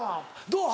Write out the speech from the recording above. どう？